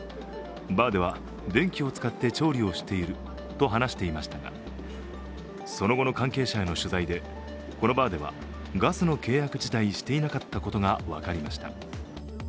バーでは電気を使って調理をしていると話していましたがその後の関係者への取材でこのバーではガスの契約自体していなかったことが分かりました。